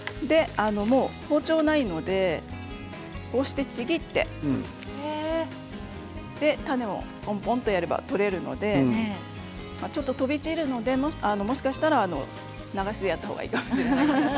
包丁がないのでこうしてちぎって種をポンポンとやれば取れるのでちょっと飛び散るのでもしかしたら流しでやった方がいいかもしれません。